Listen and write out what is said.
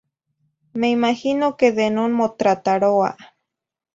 Me imagino que de non motrataroa .